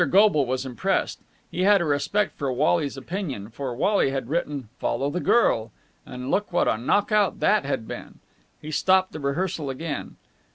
Goble was impressed. He had a respect for Wally's opinion, for Wally had written "Follow the Girl" and look what a knock out that had been. He stopped the rehearsal again.